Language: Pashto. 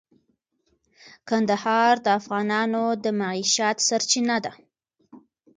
کندهار د افغانانو د معیشت سرچینه ده.